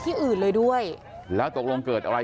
เพื่อนบ้านเจ้าหน้าที่อำรวจกู้ภัย